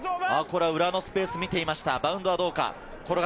裏のスペースを見ていました。